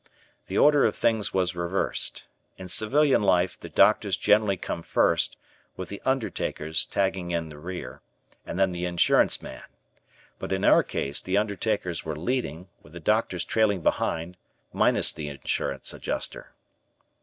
The order of things was reversed. In civilian life the doctors generally come first, with the undertakers tagging in the rear and then the insurance man, but in our case, the undertakers were leading, with the doctors trailing behind, minus the insurance adjuster.